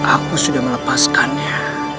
aku sudah melepaskannya